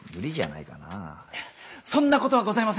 いやそんなことはございません。